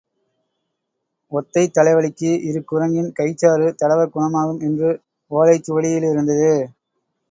ஒத்தைத் தலைவலிக்கு இரு குரங்கின் கைச்சாறு தடவக் குணமாகும் என்று ஒலைச் சுவடியிலிருந்தது.